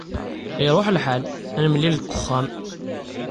Iṛuḥ lḥal. Ad nemlil deg wexxam.